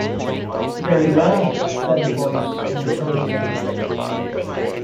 "Very well," said the Voice, in a tone of relief.